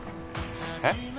えっ？